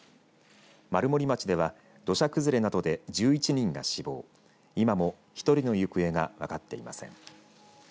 丸森町では土砂崩れなどで１１人が死亡今も１人の行方が分かっていません。